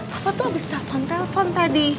papa tuh abis telfon telfon tadi